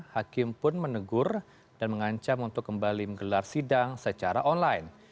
hakim pun menegur dan mengancam untuk kembali menggelar sidang secara online